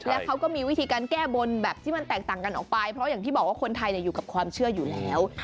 แล้วเขาก็มีวิธีการแก้บนแบบที่มันแตกต่างกันออกไปเพราะอย่างที่บอกว่าคนไทยอยู่กับความเชื่ออยู่แล้ว